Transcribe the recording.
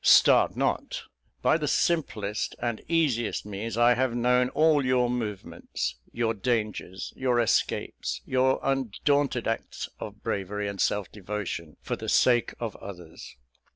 Start not! By the simplest and easiest means I have known all your movements your dangers, your escapes, your undaunted acts of bravery and self devotion for the sake of others.